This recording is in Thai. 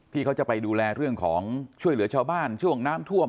ที่เขาจะไปดูแลเรื่องของช่วยเหลือชาวบ้านช่วงน้ำท่วม